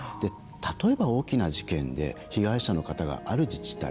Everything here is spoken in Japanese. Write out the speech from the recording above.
例えば、大きな事件で被害者の方がある自治体Ａ